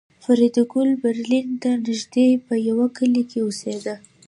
فریدګل برلین ته نږدې په یوه کلي کې اوسېده